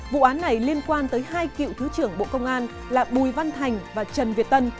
vụ án này liên quan tới hai cựu thứ trưởng bộ công an là bùi văn thành và trần việt tân